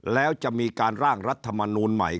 แล้วจะมีการร่างรัฐมนูลใหม่